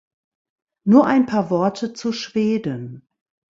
Nur ein paar Worte zu Schweden.